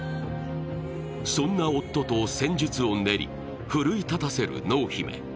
そんな夫と戦術を練り、奮い立たせる濃姫。